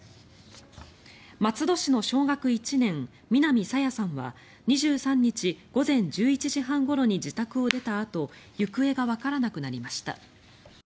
松戸市の小学１年南朝芽さんは２３日午前１１時半ごろに自宅を出たあと行方がわからなくなりました。